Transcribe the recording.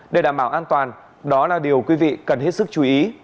để đảm bảo an toàn đó là điều quý vị cần hết sức chú ý